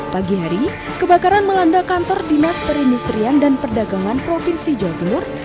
pagi hari kebakaran melanda kantor dinas perindustrian dan perdagangan provinsi jawa timur